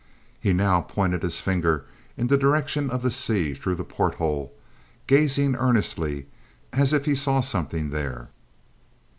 He now pointed his finger in the direction of the sea through the porthole, gazing earnestly as if he saw something there.